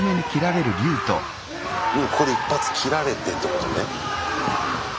ここで一発斬られてってことね。